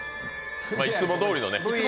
いつもどおりでね。